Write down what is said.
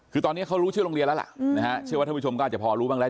คือตอนเนี่ยเขารู้ชื่อโรงเรียนแล้วชื่อวัธพิชมก็อาจจะพอรู้บ้างแล้ว